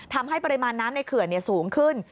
ทำให้ปริมาณน้ำในเขื่อนสูงขึ้น